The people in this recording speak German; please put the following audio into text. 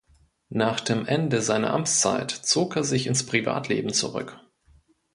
Nach dem Ende seiner Amtszeit zog er sich ins Privatleben zurück.